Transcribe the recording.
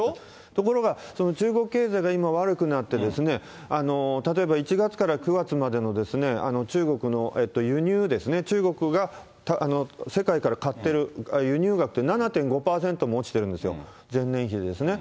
ところが、中国経済が今、悪くなってですね、例えば１月から９月までの中国の輸入ですね、中国が世界から買ってる輸入額って７．５％も落ちてるんですよ、前年比でですね。